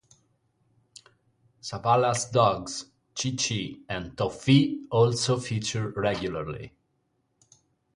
Sawalha's dogs, Chi-Chi and Toffee also feature regularly.